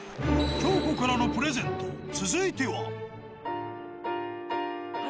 京子からのプレゼント、続いては。